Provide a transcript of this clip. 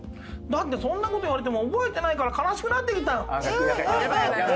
だってそんな事言われても覚えてないから悲しくなってきた。